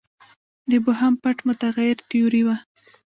د بوهم پټ متغیر تیوري وه.